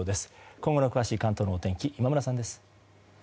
今後の詳しい関東のお天気今村さんです。